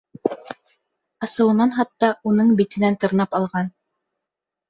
Асыуынан хатта уның битенән тырнап алған.